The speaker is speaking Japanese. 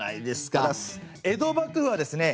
江戸幕府はですね